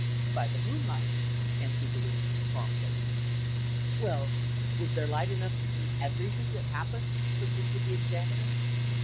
"By the moonlight," answered the wit ness, promptly. "Well, was there light enough to see everything that happened?" persisted the examiner.